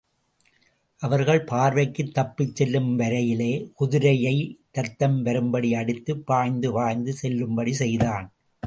அவர்கள் பார்வைக்குத் தப்பிச் செல்லும் வரையிலே, குதிரையை இரத்தம் வரும்படி அடித்துப் பாய்ந்து பாய்ந்து செல்லும்படி செய்தான்.